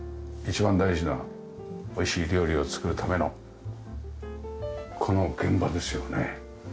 一番大事なおいしい料理を作るためのこの現場ですよね。